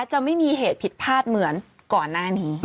จะไม่มีเหตุผิดพลาดเหมือนก่อนหน้านี้